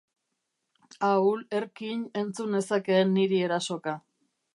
Ahul, erkin, entzun nezakeen niri erasoka.